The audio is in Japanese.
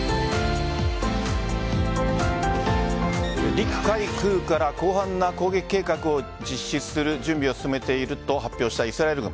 陸・海・空から広範な攻撃計画を実施する準備を進めていると発表したイスラエル軍。